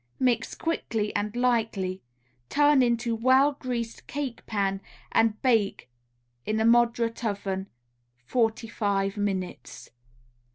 Mix quickly and lightly, turn into well greased cake pan and bake in a moderate oven forty five minutes.